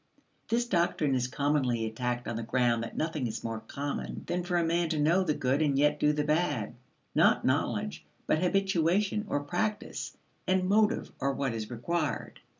This doctrine is commonly attacked on the ground that nothing is more common than for a man to know the good and yet do the bad: not knowledge, but habituation or practice, and motive are what is required.